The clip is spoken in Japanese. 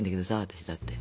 私だって。